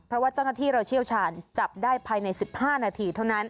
เพราะว่าเจ้าหน้าที่เราเชี่ยวชาญจับได้ภายใน๑๕นาทีเท่านั้น